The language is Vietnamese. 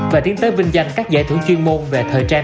và tiến tới vinh danh các giải thưởng chuyên môn về thời trang